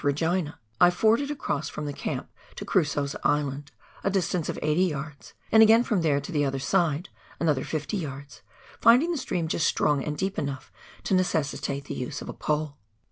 193 " Regina," I forded across from the camp to Crusoe's Island, a distance of eighty yards, and again from there to the other side, another fifty yards, finding the stream just strong and deep enough to necessitate the use of a pole.